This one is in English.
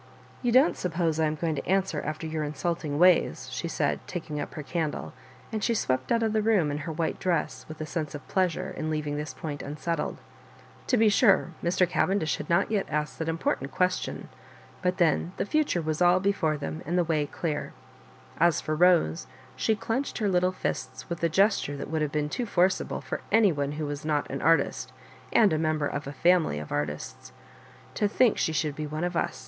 "You don't suppose I am going to answer after your insulting ways," she said, taking up her candle ; and she swept out of the room in her white dress with a sense of pleasure in leaving this point unsettled. To be sure, Mr. Cavendish had not yet asked that important question; but then the future was all before them, and the way clear. As for Bose, she clenched her little fists with a gesture that would have been too forcible for any one who was not an artist, and a member of a family of artists. " To think she should be one of us.